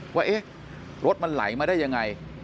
ว่ารถมันไหลมาได้ยังไง